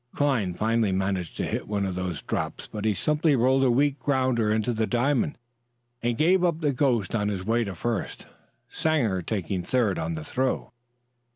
Cline finally managed to hit one of those drops, but he simply rolled a weak grounder into the diamond, and gave up the ghost on his way to first, Sanger taking third on the throw.